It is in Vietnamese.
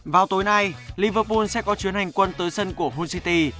vào tối nay liverpool sẽ có chuyến hành quân tới sân của hull city